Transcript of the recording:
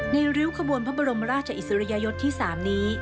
ริ้วขบวนพระบรมราชอิสริยยศที่๓นี้